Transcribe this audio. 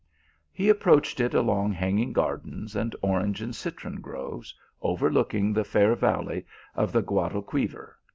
He approached it along hanging gardens, and or ange and citron groves overlooking the fair valley of 206 THE ALHAMBRA. the Guadalquiver.